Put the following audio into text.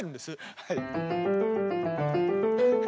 はい。